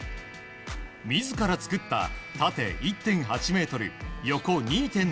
自ら作った縦１．８ｍ、横２．７